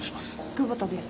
久保田です。